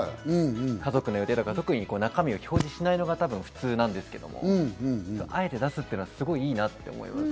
家族の予定とか、中身を表示しないのが普通ですけど、あえて出すっていうのは、すごくいいなと思います。